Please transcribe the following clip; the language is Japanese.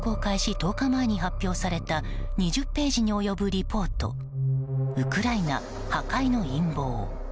１０日前に発表された２０ページに及ぶリポート「ウクライナ破壊の陰謀」。